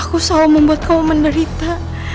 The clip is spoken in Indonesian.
aku salah membuat kamu menderita